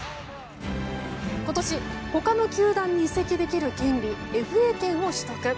今年、他の球団に移籍できる権利ＦＡ権を取得。